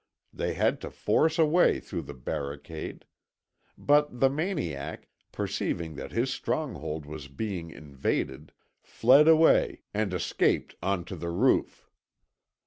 They had to force a way through the barricade. But the maniac, perceiving that his stronghold was being invaded, fled away and escaped on to the roof.